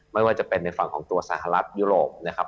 ไม่ว่าจะเป็นในฝั่งของตัวสหรัฐยุโรปนะครับ